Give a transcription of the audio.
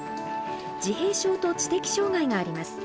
自閉症と知的障害があります。